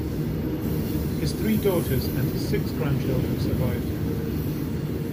His three daughters and his six grandchildren survived him.